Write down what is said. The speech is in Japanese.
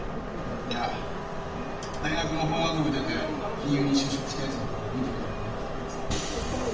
いや大学の法学部出て金融に就職したやつの顔が見てみたいと思ってたからさ。